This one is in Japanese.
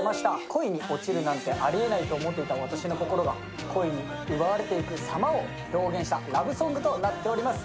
恋に落ちるなんてありえないと思っていた私の心が恋に奪われていく様を表現したラブソングとなっております。